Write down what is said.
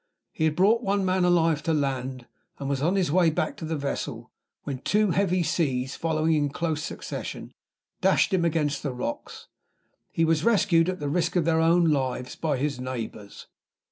He had brought one man alive to land, and was on his way back to the vessel, when two heavy seas, following in close succession, dashed him against the rocks. He was rescued, at the risk of their own lives, by his neighbors.